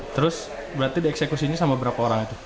terus berarti dieksekusinya sama berapa orang itu